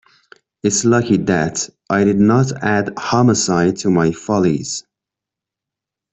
It’s lucky that I did not add homicide to my follies.